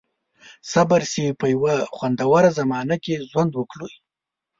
• صبر، چې په یوه خوندوره زمانه کې ژوند وکړئ.